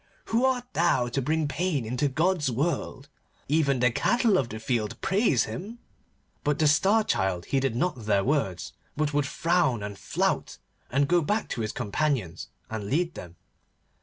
Who art thou to bring pain into God's world? Even the cattle of the field praise Him.' But the Star Child heeded not their words, but would frown and flout, and go back to his companions, and lead them.